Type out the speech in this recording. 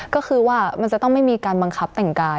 ก็คือว่ามันจะต้องไม่มีการบังคับแต่งกาย